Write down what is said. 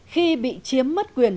khi bị chiếm mất quyền